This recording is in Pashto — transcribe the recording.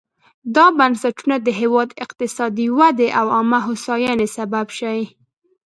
دا بنسټونه د هېواد اقتصادي ودې او عامه هوساینې سبب شي.